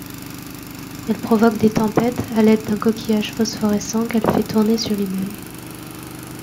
Elle provoque des tempêtes à l'aide d'un coquillage phosphorescent qu'elle fait tourner sur lui-même.